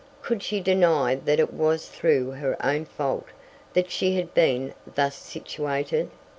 Could she deny that it was through her own fault that she had been thus situated?